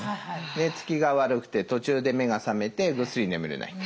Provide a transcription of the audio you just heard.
寝つきが悪くて途中で目が覚めてぐっすり眠れない。